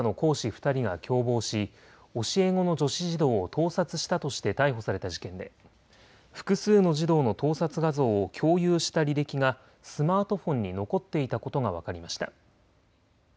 ２人が共謀し教え子の女子児童を盗撮したとして逮捕された事件で複数の児童の盗撮画像を共有した履歴がスマートフォンに残っていたことが分かりました。